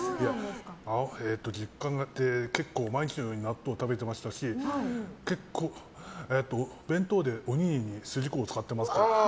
実家で毎日のように納豆を食べてましたし結構、弁当でおにぎりに筋子を使ってました。